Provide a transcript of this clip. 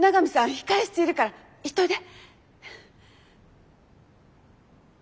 控え室いるから行っておいで。